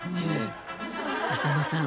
浅野さん